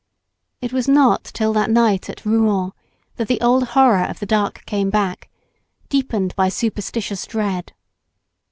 It was not till that night at Rouen that the old horror of the dark came back, deepened by superstitious dread.